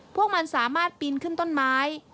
พวกมันสามารถปีนขึ้นต้นไม้